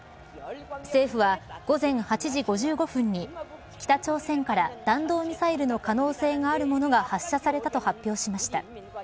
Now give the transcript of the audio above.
政府は、午前８時５５分に北朝鮮から、弾道ミサイルの可能性があるものが発射されたと発表しました。